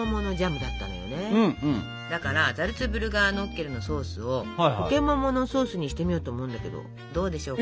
だからザルツブルガーノッケルンのソースをこけもものソースにしてみようと思うんだけどどうでしょうか？